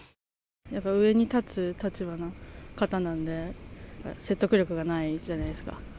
上に立つ立場の方なので説得力がないじゃないですか。